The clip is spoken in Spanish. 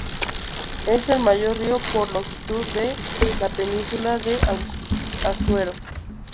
Es el mayor río por longitud de la península de Azuero.